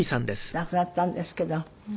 亡くなったんですけど。